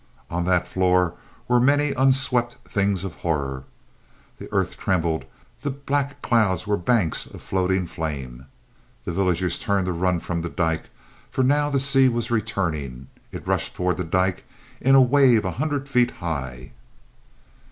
On that floor were many unswept things of horror. The earth trembled. The black clouds were banks of floating flame. The villagers turned to run from the dyke, for now the sea was returning. It rushed toward the dyke in a wave a hundred feet high.